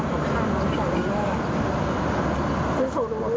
ประธานเพียงพี่ดินแค่จริง